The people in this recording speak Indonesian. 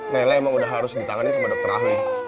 nele emang udah harus ditangani sama dokter ahli